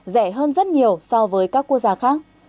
rẻ hơn rất nhiều so với các quốc gia khác